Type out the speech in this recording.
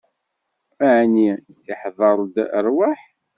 Ɛni iḥder-d rrwaḥ?